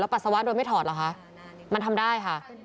ปัสสาวะโดยไม่ถอดเหรอคะมันทำได้ค่ะ